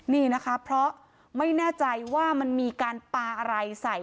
นี่นะคะเพราะไม่แน่ใจว่ามันมีการปลาอะไรใส่